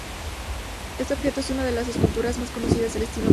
Este objeto es una de las esculturas más conocidas del estilo Mexica.